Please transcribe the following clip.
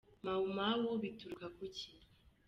Mau Mau bituruka ku ki ?.